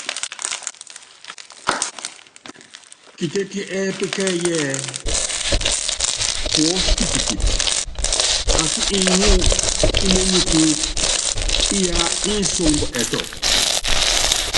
Kitétí ɛ́ɛ́pí kɛ́ɛ́yí ɛ́ɛ́: Puɔ́sí kitikiti akí iŋú íményikúúkú, iyaá insúmbɔ ɛtɔ.